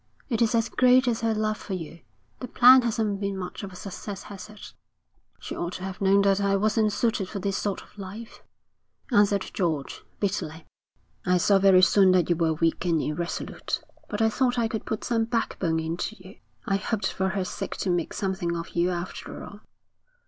It is as great as her love for you. The plan hasn't been much of a success, has it?' 'She ought to have known that I wasn't suited for this sort of life,' answered George, bitterly. 'I saw very soon that you were weak and irresolute, but I thought I could put some backbone into you. I hoped for her sake to make something of you after all.